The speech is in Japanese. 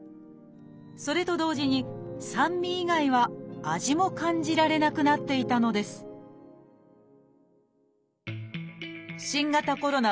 それと同時に酸味以外は味も感じられなくなっていたのです新型コロナ